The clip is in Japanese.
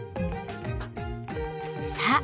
さあ